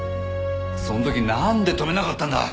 その時なんで止めなかったんだ！